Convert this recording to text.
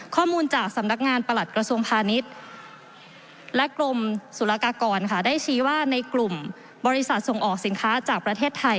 ข้อมูลจากสำนักงานประหลัดกระทรวงพาณิชย์และกรมสุรกากรค่ะได้ชี้ว่าในกลุ่มบริษัทส่งออกสินค้าจากประเทศไทย